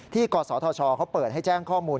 กศธชเขาเปิดให้แจ้งข้อมูล